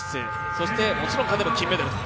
そしてもちろん勝てば金メダルと。